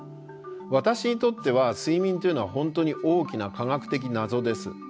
私にとっては睡眠というのは本当に大きな科学的謎です。